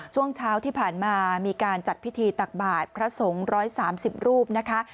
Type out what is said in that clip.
ช่วงเช้าที่ผ่านมามีการจัดพิธีตักบาทพระสงฆ์๑๓๐รูปนะคะ